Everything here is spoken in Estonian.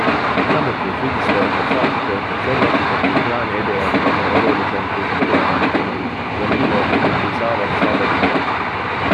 Samuti süüdistavad nad saatetootjat selles, et ekraaniedu on neile olulisem kui koduomanike huvid, aga niimoodi ei saavat saadet teha.